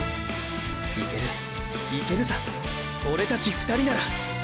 いけるいけるさオレたち２人なら。